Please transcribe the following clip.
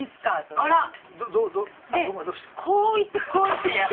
でこういってこういって。